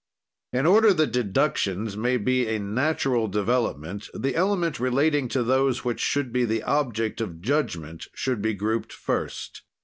"In order that deductions may be a natural development, the element relating to those which should be the object of judgment should be grouped first.